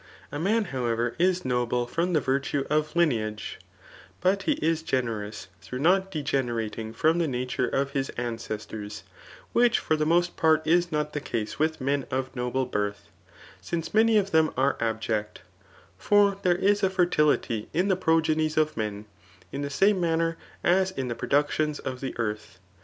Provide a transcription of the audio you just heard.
A man, however, is noble fiMi the virtue of lineage ; bot he is generous through tifyt degenerating from the nature fof hiB ancestors;] which for the^most part is. not the case with tbm of noble birth^ since many of .them CHAP. XVllU RHSTORIC^ liS are abject. For" thcfre is a fertiUty m tlie {Mrogehies of men, in the same manner as in the productions of the eaurth.